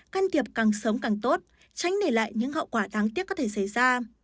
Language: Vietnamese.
can thiệp càng sớm càng tốt tránh để lại những hậu quả đáng tiếc có thể xảy ra